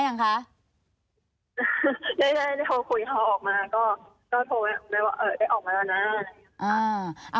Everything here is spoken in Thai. ก็โทรไว้ออกมาแล้วนะ